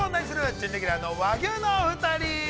準レギュラーの和牛のお二人。